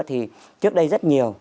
thì trước đây rất nhiều